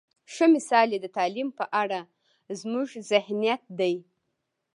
ښه مثال یې د تعلیم په اړه زموږ ذهنیت دی.